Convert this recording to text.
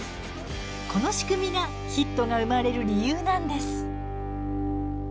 この仕組みがヒットが生まれる理由なんです。